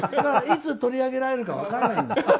いつ取り上げられるか分からないんだ。